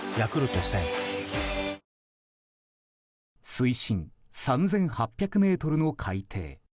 水深３８００ｍの海底。